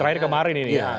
terakhir kemarin ini